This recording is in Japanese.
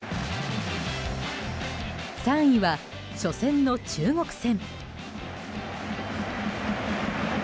３位は、初戦の中国戦。